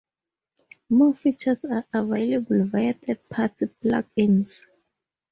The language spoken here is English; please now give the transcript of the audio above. More features are available via third-party plug-ins.